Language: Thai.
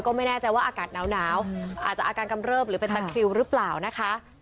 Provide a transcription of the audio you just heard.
ก็ไม่แน่ใจว่าอากาศหนาวอาจจะอาการกำเริบหรือเป็นตะคริวหรือเปล่านะคะ